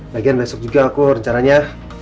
bagian besok juga aku rencananya